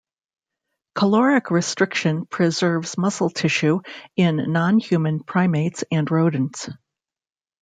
Calorie restriction preserves muscle tissue in nonhuman primates and rodents.